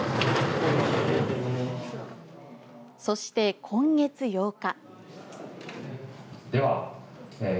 そして今月８日。